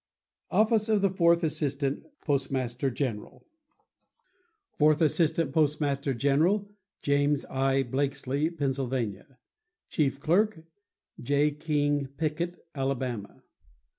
OFFICE OF THE FOURTH ASSISTANT POSTMASTER GENERAL Fourth Assistant Postmaster General.—James I. Blakslee, Pennsylvania. Chief Clerk.—J. King Pickett, Alabama.